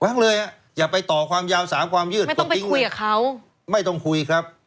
เลยอ่ะอย่าไปต่อความยาวสามความยืดก็ทิ้งไว้คุยกับเขาไม่ต้องคุยครับ